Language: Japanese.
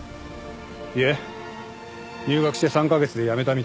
いえ入学して３カ月で辞めたみたいです。